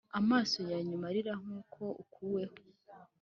amaso ya nyuma arira nkuko ukuweho.